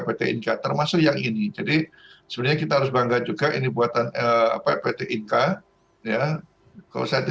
pt termasuk yang ini jadi sebenarnya kita harus bangga juga ini buatan pt ika ya kalau saya